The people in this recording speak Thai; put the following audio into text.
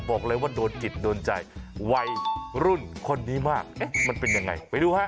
บอกเลยว่าโดนจิตโดนใจวัยรุ่นคนนี้มากมันเป็นยังไงไปดูฮะ